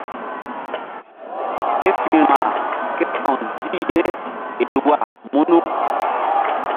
Ke firma ké ta̧w zih ye Elwa munu.